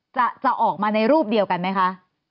จะออกมาในรูปเดียวกันไหมคะ